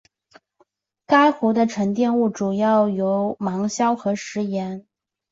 该湖的沉积物主要为芒硝和石盐。